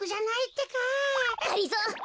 がりぞー。